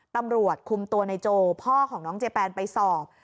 ตำรวจคุมตัวในโจพ่อของน้องเจแปนไปสอบ